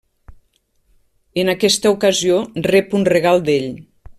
En aquesta ocasió, rep un regal d'ell.